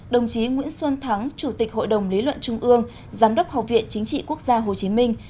đồng chí nguyễn xuân thắng chủ tịch hội đồng lý luận trung ương giám đốc học viện chính trị quốc gia hồ chí minh